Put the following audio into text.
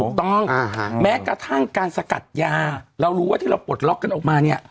ถูกต้องแม้กระทั่งการสกัดยาเรารู้ว่าที่เราปลดล็อกกันออกมาเนี่ย